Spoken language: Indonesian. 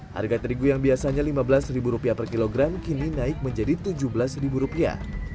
harga terigu yang biasanya lima belas rupiah per kilogram kini naik menjadi tujuh belas rupiah